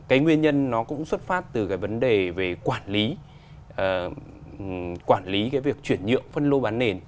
cái nguyên nhân nó cũng xuất phát từ cái vấn đề về quản lý quản lý cái việc chuyển nhượng phân lô bán nền